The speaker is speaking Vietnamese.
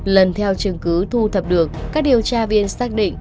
lần theo chứng cứ thu thập được các điều tra viên xác định